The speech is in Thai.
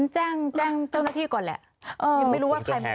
แจ้งแจ้งเจ้าหน้าที่ก่อนแหละยังไม่รู้ว่าใครมา